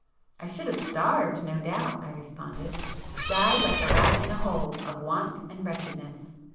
"I should have starved, no doubt,"—I responded—"Died like a rat in a hole,—of want and wretchedness."